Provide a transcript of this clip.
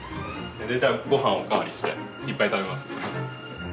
大体ごはんをお代わりしていっぱい食べますね。